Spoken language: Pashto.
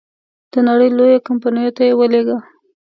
د نړی لویو کمپنیو ته یې ولېږه.